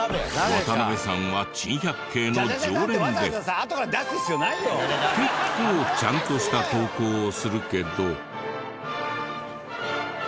渡邉さんは『珍百景』の常連で結構ちゃんとした投稿をするけど。